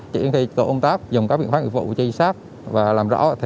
chỉ khi tổ công tác dùng các biện pháp ưu vụ chi sát và làm rõ